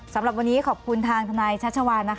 สำหรับวันนี้ขอบคุณทางทนายชัชวานนะคะ